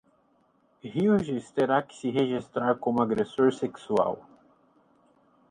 Hughes terá que se registrar como agressor sexual.